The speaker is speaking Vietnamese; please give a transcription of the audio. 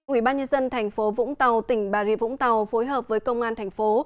ủy ban nhân dân thành phố vũng tàu tỉnh bà rịa vũng tàu phối hợp với công an thành phố